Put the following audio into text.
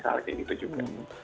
kayak gitu juga